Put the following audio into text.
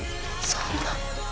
そんな。